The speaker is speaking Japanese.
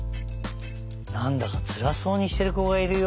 なんだかつらそうにしてるこがいるよ。